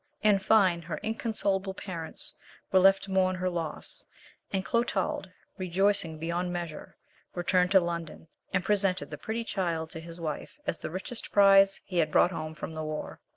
In fine, her inconsolable parents were left to mourn her loss, and Clotald, rejoicing beyond measure, returned to London, and presented the pretty child to his wife, as the richest prize he had brought home from the war.